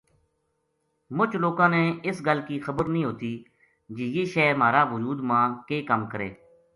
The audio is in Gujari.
مُچ لوکاں نا اس گل کی خبر نیہہ ہوتی جے یہ شے مھارا وُجود ما کے کَم کرے